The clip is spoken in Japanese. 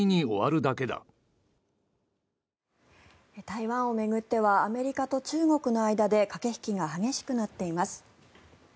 台湾を巡ってはアメリカと中国の間で駆け引きが激しくなっています。